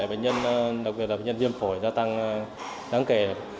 bệnh nhân đặc biệt là bệnh nhân viêm phổi gia tăng đáng kể